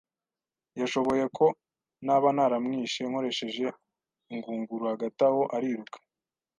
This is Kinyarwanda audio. yashoboye, ko naba naramwishe nkoresheje ingunguru. Hagati aho, ariruka,